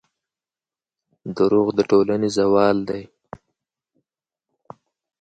دروغ د ټولنې زوال دی.